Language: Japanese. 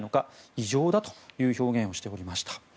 異常だという表現をしていました。